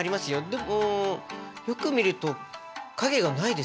でもよく見ると影がないですね。